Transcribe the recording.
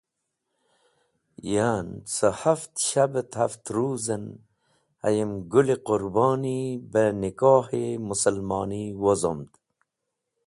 Yan, ca haft shab et haft ruz en, hayem Gũl-e Qũrboni beh nikoh-e Musalmoni wozomd.